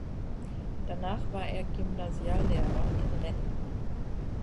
Danach war er Gymnasiallehrer in Rennes.